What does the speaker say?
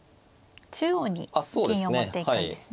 中央に銀を持っていくんですね。